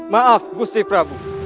maaf gusti prabu